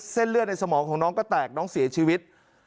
เส้นเลือดในสมองของน้องก็แตกน้องเสียชีวิต